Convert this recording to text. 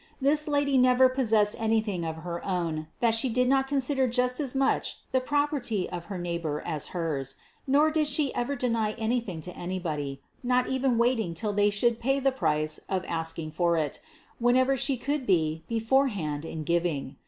This Lady never possessed anything of her own that She did not consider just as much the property of her neighbor as hers nor did She ever deny anything to anybody, not even waiting till they should pay the price of asking for it, whenever She could be beforehand in giving.